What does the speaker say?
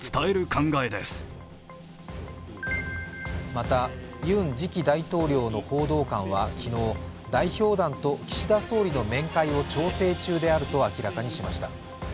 また、ユン次期大統領の報道官は昨日、代表団と岸田総理の面会を調整中であると明らかにしました。